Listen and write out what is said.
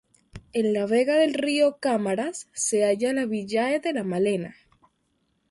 En la vega del río Cámaras se halla la villae de La Malena.